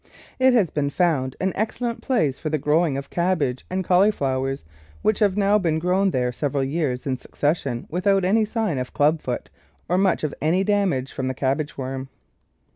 It has THE VEGETABLE GARDEN been found an excellent place for the growing of cabbage and cauliflowers, which have now been grown there several years in succession without any sign of club foot or much of any damage from the cabbage worm.